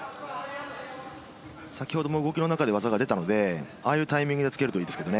先ほども動きの中では技が出たので、ああいうタイミングで突けるといいですけどね。